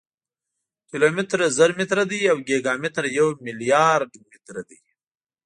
کیلومتر زر متره دی او ګیګا متر یو ملیارډ متره دی.